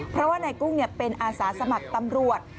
เพราะว่านายกุ้งเป็นอาสาสมัครตำรวจ